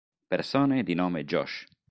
Persone di nome Josh